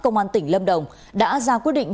công an tỉnh lâm đồng đã ra quyết định